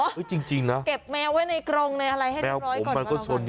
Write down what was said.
จริงนะแมวผมมันก็สนจริงนะเก็บแมวไว้ในกรงอะไรให้เรียบร้อยก่อน